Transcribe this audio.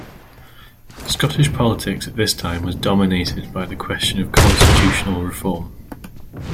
Scottish politics at this time was dominated by the question of constitutional reform.